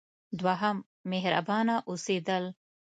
دوهم: مهربانه اوسیدل.